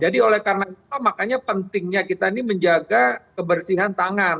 jadi oleh karena itu makanya pentingnya kita ini menjaga kebersihan tangan